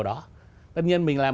đó là giải pháp